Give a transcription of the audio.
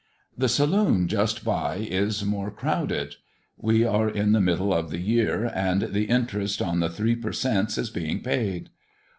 The saloon just by is more crowded. We are in the middle of the year, and the interest on the three per cents. is being paid.